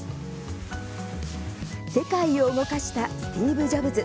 世界を動かしたスティーブ・ジョブズ。